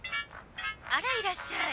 あらいらっしゃい。